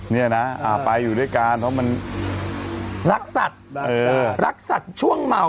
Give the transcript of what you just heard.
เนี่ยนะไปอยู่ด้วยกันเพราะมันรักสัตว์รักสัตว์ช่วงเมา